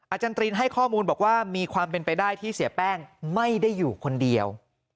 อาจารย์ตรินให้ข้อมูลบอกว่ามีความเป็นไปได้ที่เสียแป้งไม่ได้อยู่คนเดียว